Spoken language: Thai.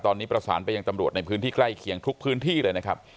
ตอนนี้ประสานไปยังตำรวจในพื้นที่ใกล้เคียงทุกพื้นที่เลยนะครับ